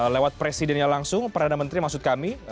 lewat presidennya langsung perdana menteri maksud kami